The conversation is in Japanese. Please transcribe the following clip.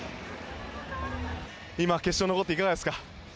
今決勝に残っていかがですか。